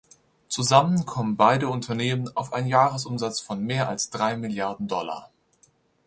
Zusammen kommen beide Unternehmen auf einen Jahresumsatz von mehr als drei Milliarden Dollar.